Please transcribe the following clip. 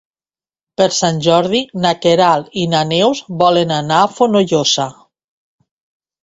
Per Sant Jordi na Queralt i na Neus volen anar a Fonollosa.